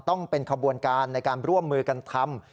ต้องเป็นขบวนการในการร่วมมือกันทำ